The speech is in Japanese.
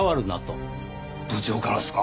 部長からですか？